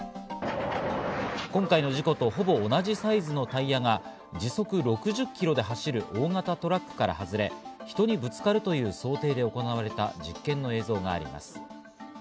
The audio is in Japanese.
今回の事故とほぼ同じサイズのタイヤが時速６０キロで走る大型トラックから外れ、人にぶつかるという想定で行われた実験の映像があります。